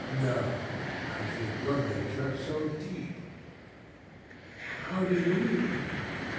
"No; I think your nature so deep." "How do you mean?"